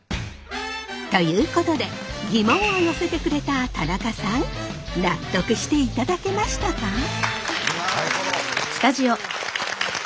ということでギモンを寄せてくれた田中さん納得していただけましたか？